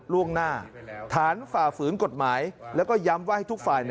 ล่วงหน้าฐานฝ่าฝืนกฎหมายแล้วก็ย้ำว่าให้ทุกฝ่าย